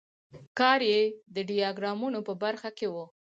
کار یې د ډیاګرامونو په برخه کې و.